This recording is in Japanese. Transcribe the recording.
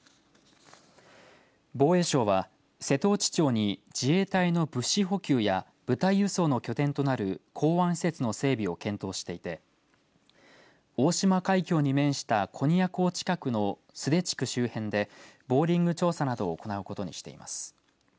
防衛省は瀬戸内町に自衛隊の物資補給や部隊輸送の拠点となる港湾施設の整備を検討していて大島海峡に面した古仁屋港近くの須手地区周辺でボーリング調査などを行うことにしています。